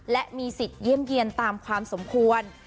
และมีสิทธิ์เยี่ยมเยี่ยนตามความสมควร